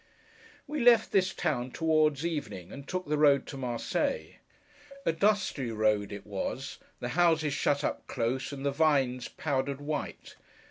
We left this town towards evening, and took the road to Marseilles. A dusty road it was; the houses shut up close; and the vines powdered white.